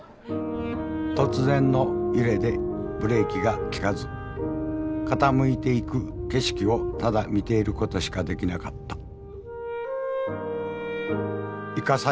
突然の揺れでブレーキが利かず傾いていく景色をただ見ていることしかできなかった。